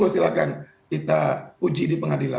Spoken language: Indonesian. silahkan kita uji di pengadilan